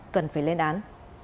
cần phải lên án